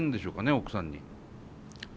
奥さんに。